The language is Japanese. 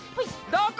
どこ？